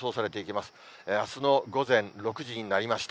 あすの午前６時になりました。